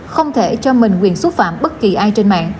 không thể cho mình quyền xúc phạm bất kỳ ai trên mạng